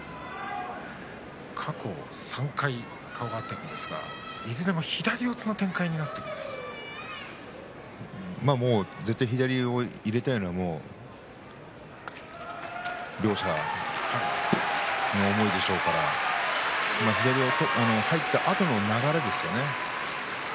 過去に３回の顔合わせいずれも左四つ絶対、左を入れたいのは両者の思いでしょうから入ったあとの流れですね。